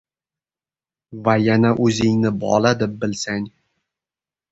Va yana o‘zingni bola deb bilsang